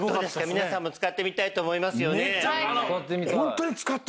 皆さんも使ってみたいと思いますよね。